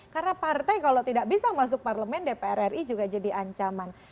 karena partai kalau tidak bisa masuk parlemen dpr ri juga jadi ancaman